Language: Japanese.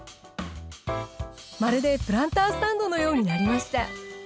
まるでプランタースタンドのようになりました。